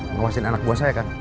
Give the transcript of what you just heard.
ngawasin anak buah saya kan